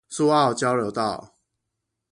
蘇澳交流道